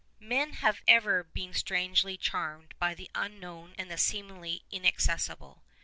_ Men have ever been strangely charmed by the unknown and the seemingly inaccessible.